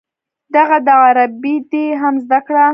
دغه ده عربي دې هم زده کړه.